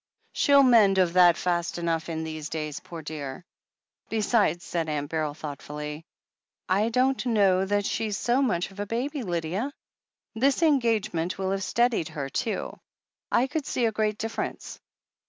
"Shell mend of that fast enough in these days, poor dear ! Besides," said Aunt Beryl thoughtfully, "I don't know that she's so much of a baby, Lydia. This en gagement will have steadied her, too. I could see a great difference.